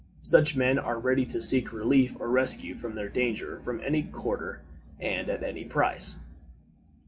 Such men are ready to seek relief or rescue from their danger from any quarter and at any price.